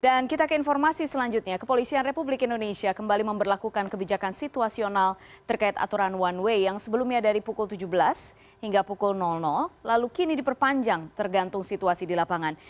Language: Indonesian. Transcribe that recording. dan kita ke informasi selanjutnya kepolisian republik indonesia kembali memperlakukan kebijakan situasional terkait aturan one way yang sebelumnya dari pukul tujuh belas hingga pukul lalu kini diperpanjang tergantung situasi di lapangan